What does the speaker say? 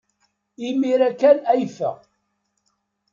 Imir-a kan ay yeffeɣ.